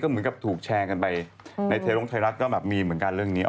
กลัวว่าผมจะต้องไปพูดให้ปากคำกับตำรวจยังไง